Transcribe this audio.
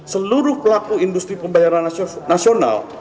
seluruh pelaku industri pembayaran nasional